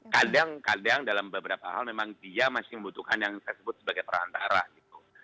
kadang kadang dalam beberapa hal memang dia masih membutuhkan yang saya sebut sebagai perantara gitu